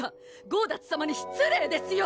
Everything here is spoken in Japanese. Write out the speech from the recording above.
ゴーダッツさまに失礼ですよ